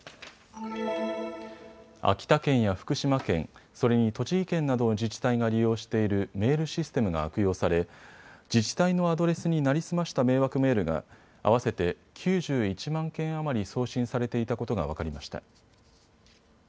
秋田県や福島県、それに栃木県などの自治体が利用しているメールシステムが悪用され自治体のアドレスに成り済ました迷惑メールが合わせて９１万件余り送信されていたことが分かりました。